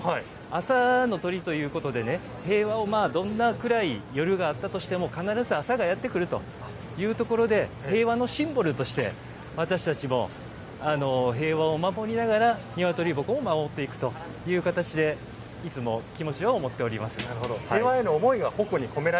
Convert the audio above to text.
朝の鳥ということで平和をどんな暗い夜があったとしても必ず朝がやってくるということで平和のシンボルとして私たちも、平和を守りながら鶏鉾を守っていくという形でいつも気持ちを持っております。